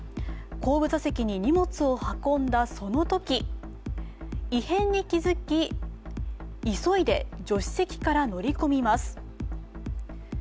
後部座席に荷物を運んだそのとき異変に気づき、急いで助手席から乗り込みます。